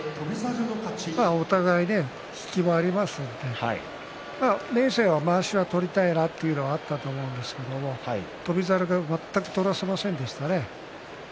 お互いに引きもありますので明生は、まわしを取りたいなというのがあったと思いますが翔猿が全く取らせませんでしたね。